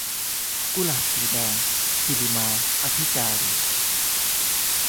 กุหลาบสีแดง - สิริมา อภิจาริน